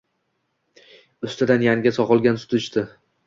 Ustidan yangi sog'ilgan sut ichdi.